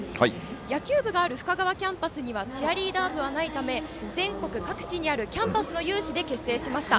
野球部がある深川キャンバスにはチアリーダー部がないため全国のキャンバスにあるキャンバスの有志で結成しました。